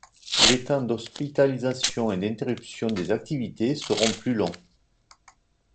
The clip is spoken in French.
Les temps d'hospitalisation et d'interruption des activités seront plus longs.